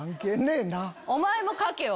お前も書けよ。